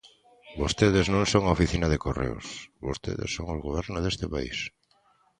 Vostedes non son a oficina de correos, vostedes son o Goberno deste país.